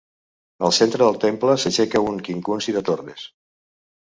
Al centre del temple s'aixeca un quincunci de torres.